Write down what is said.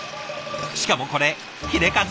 しかもこれヒレカツ。